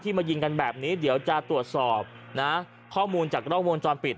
มายิงกันแบบนี้เดี๋ยวจะตรวจสอบนะข้อมูลจากกล้องวงจรปิด